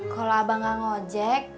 kalau abang nggak nge ojek